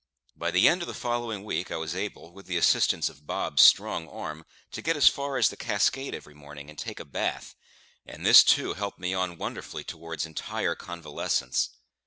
By the end of the following week I was able, with the assistance of Bob's strong arm, to get as far as the cascade every morning, and take a bath; and this, too, helped me on wonderfully towards entire convalescence.